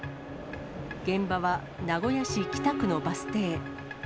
現場は名古屋市北区のバス停。